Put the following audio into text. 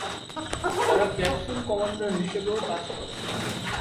তারা capsule commander হিসেবেও কাজ করেন।